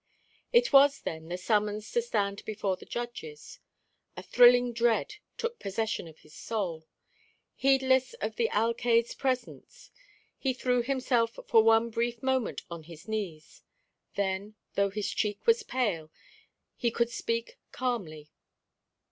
It was, then, the summons to stand before his judges. A thrilling dread took possession of his soul. Heedless of the alcayde's presence, he threw himself for one brief moment on his knees. Then, though his cheek was pale, he could speak calmly.